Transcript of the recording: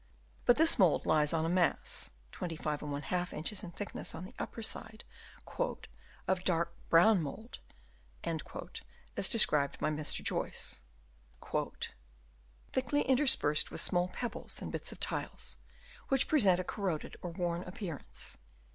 But this mould lies on a mass (25^ inches in thickness on the upper side) " of "dark brown mould," as described by Mr. Joyce, " thickly interspersed with small " pebbles and bits of tiles, which present a "corroded or worn appearance."